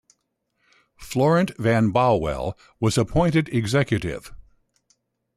Florent Van Bauwel was appointed executive.